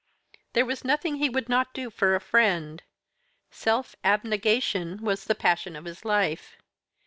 There was nothing he would not do for a friend self abnegation was the passion of his life.